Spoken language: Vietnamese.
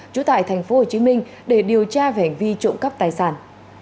chủ tại thành phố hồ chí minh để điều tra về hành vi trộm cắp tài sản